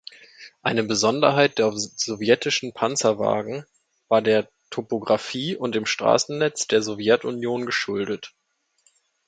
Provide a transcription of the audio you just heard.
Eine Besonderheit der sowjetischen Panzerwagen war der Topographie und dem Straßennetz der Sowjetunion geschuldet.